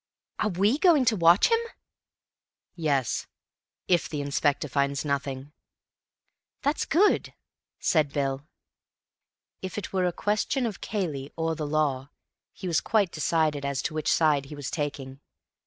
"Are we going to watch him?" "Yes, if the Inspector finds nothing." "That's good," said Bill. If it were a question of Cayley or the Law, he was quite decided as to which side he was taking.